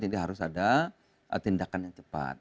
ini harus ada tindakan yang cepat